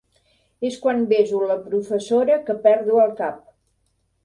És quan beso la professora que perdo el cap.